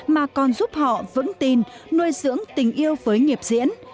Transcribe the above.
mà còn giúp họ vững tin nuôi dưỡng tình yêu với nghiệp diễn